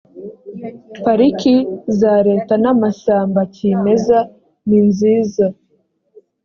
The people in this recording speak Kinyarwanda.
pariki za leta n amashyamba kimeza ninziza